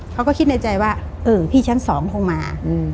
เขาก็คิดในใจว่าเออพี่ชั้น๒คงมา